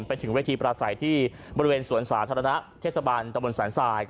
ไปถึงเวทีประสาทที่บริเวณสวนศาสตรดนะเทศบันตรมนศ์ศาลทราย